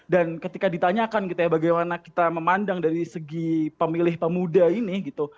ketika ditanyakan gitu ya bagaimana kita memandang dari segi pemilih pemuda ini gitu